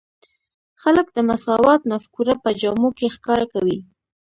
خلک د مساوات مفکوره په جامو کې ښکاره کوي.